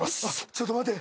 ちょっと待て。